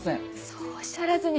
そうおっしゃらずに。